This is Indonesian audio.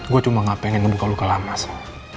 gue cuma gak pengen ngebuka luka lama sa